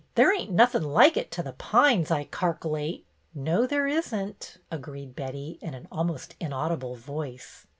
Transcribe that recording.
" There ain't nothin' like it to The Pines, I carc'l'ate." " No, there is n't," agreed Betty, in an al most inaudible voice.